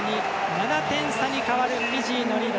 ７点差に変わるフィジーのリード。